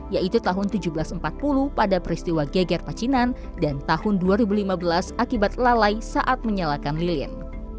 yaitu tahun seribu tujuh ratus empat puluh pada peristiwa geger pacinan dan tahun dua ribu lima belas akibat lalai saat menyalakan lilin